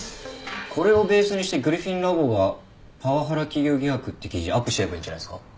これをベースにしてグリフィン・ラボがパワハラ企業疑惑って記事アップしちゃえばいいんじゃないっすか？